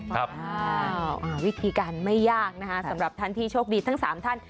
วิธีการไม่ยากนะคะสำหรับท่านที่โชคดีทั้ง๓ท่าน